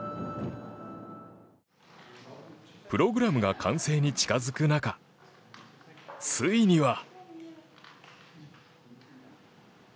プログラムが完成に近づく中ついには。